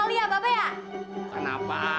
di taman bunga